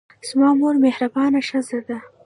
زما مور مهربانه ښځه ده.